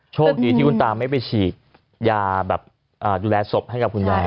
โชคดีที่คุณตาไม่ไปฉีดยาแบบดูแลศพให้กับคุณยาย